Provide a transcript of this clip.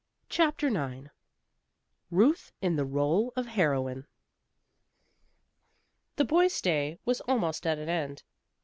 CHAPTER IX RUTH IN THE RÔLE OF HEROINE The boys' stay was almost at an end.